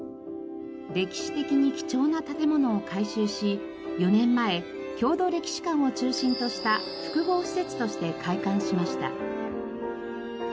歴史的に貴重な建物を改修し４年前郷土歴史館を中心とした複合施設として開館しました。